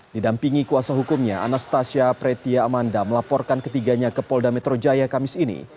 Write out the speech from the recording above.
didampingi kuasa hukumnya anastasia pretia amanda melaporkan ketiganya ke polda metro jaya kamis ini